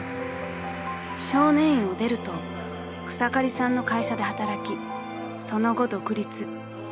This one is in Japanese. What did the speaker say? ［少年院を出ると草刈さんの会社で働きその後独立］